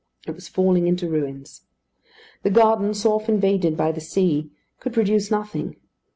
It was falling into ruins. The garden, so often invaded by the sea, could produce nothing.